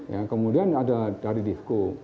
ya kemudian ada dari disko